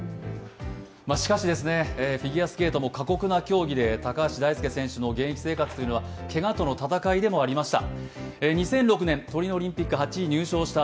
しかし、フィギュアスケートも過酷な競技で高橋大輔選手の現役生活はけがとの闘いでもありました。